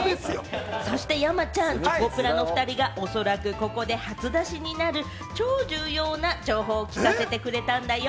そして山ちゃん、チョコプラのおふたりがおそらくここで初出しになる、超重要な情報を聞かせてくれたんだよ。